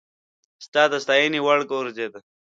هغه د ستاينې وړ وګرځېد.